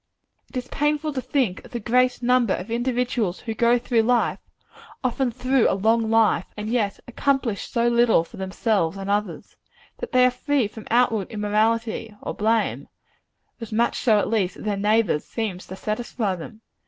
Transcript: It is painful to think of the great number of individuals who go through life often through a long life and yet accomplish so little for themselves and others. That they are free from outward immorality or blame as much so at least as their neighbors seems to satisfy them.